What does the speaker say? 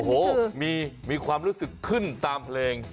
โอ้โหมีความรู้สึกขึ้นตามเพลง